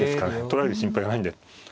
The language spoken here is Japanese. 取られる心配がないんで。